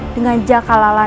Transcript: dengan jakal alanan